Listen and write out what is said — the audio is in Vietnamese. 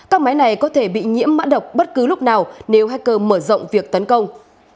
các máy này có thể bị nhiễm mã độc bất cứ lúc nào nếu hacker mở rộng việc tấn công